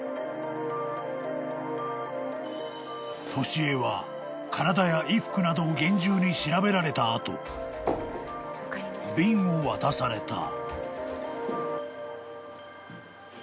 ［年恵は体や衣服などを厳重に調べられた後瓶を渡された］